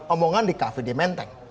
omongan di kafe di menteng